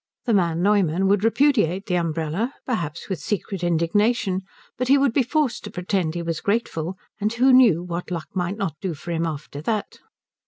The man Neumann would repudiate the umbrella, perhaps with secret indignation, but he would be forced to pretend he was grateful, and who knew what luck might not do for him after that?